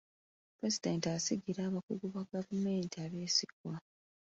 Pulezidenti asigira abakungu ba gavumenti abeesigwa.